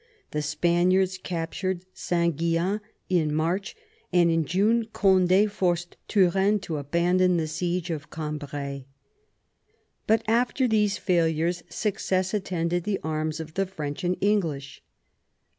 The Spaniards captured Saint Guillain in March, and in June Cond^ forced Turenne to abandon the siege of Cambray. But after these failures success attended the arms of the French and English.